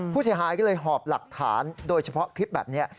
ผู้เสียหายก็เลยหอบหลักฐานโดยเฉพาะคลิปแบบนี้